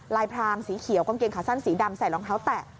พรางสีเขียวกางเกงขาสั้นสีดำใส่รองเท้าแตะ